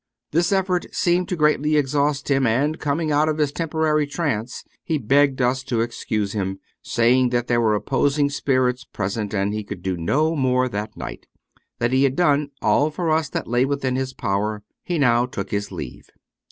This effort seemed to greatly exhaust him, and coming out of his temporary trance he begged us to excuse him, saying that there were opposing spirits present and he could do no more that night ; that he had done all for us that lay within his power. He now took his leave.